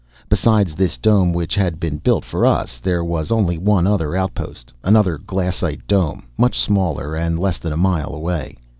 Besides this dome which had been built for us there was only one other outpost, another glassite dome much smaller and less than a mile away.